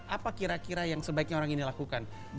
apa kira kira yang sebaiknya orang ini lakukan